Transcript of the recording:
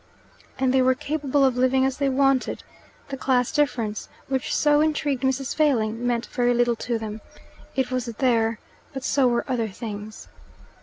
And they were capable of living as they wanted. The class difference, which so intrigued Mrs. Failing, meant very little to them. It was there, but so were other things.